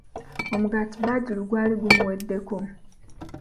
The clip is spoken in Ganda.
Omugaati Badru gwali gumuweddeko!